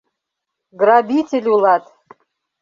Грабитель улат!..